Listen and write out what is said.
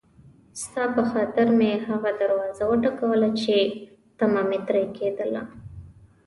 ستا په خاطر مې هغه دروازه وټکوله چې طمعه مې ترې کېدله.